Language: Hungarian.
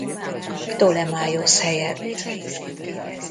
Ptolemaiosz helyett.